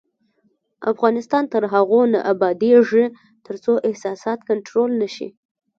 افغانستان تر هغو نه ابادیږي، ترڅو احساسات کنټرول نشي.